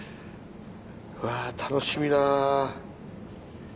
うわ楽しみだなぁ。